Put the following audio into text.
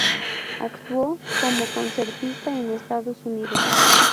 Actuó como concertista en Estados Unidos.